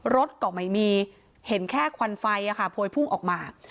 รถก็ไม่มีเห็นแค่ควันไฟโพยพุ่งออกมา